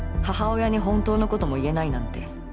母親に本当のことも言えないなんて